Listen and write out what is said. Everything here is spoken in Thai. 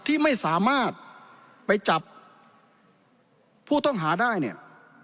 ที่ไม่สามารถไปจับผู้ต้องหาได้เนี่ย